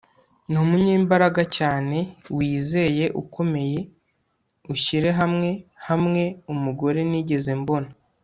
numunyembaraga cyane, wizeye, ukomeye, ushyire hamwe hamwe umugore nigeze mbona